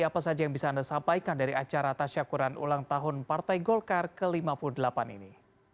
apa saja yang bisa anda sampaikan dari acara tasyakuran ulang tahun partai golkar ke lima puluh delapan ini